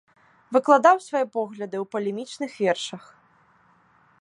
Выкладаў свае погляды ў палемічных вершах.